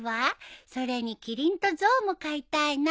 それにキリンとゾウも飼いたいな。